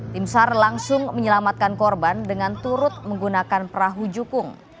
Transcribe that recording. tim sar langsung menyelamatkan korban dengan turut menggunakan perahu jukung